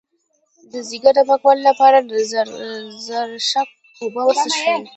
د ځیګر د پاکوالي لپاره د زرشک اوبه وڅښئ